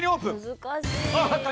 難しい。